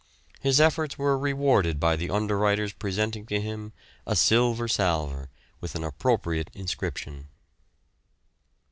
His efforts were rewarded by the underwriters presenting to him a silver salver with an appropriate inscription.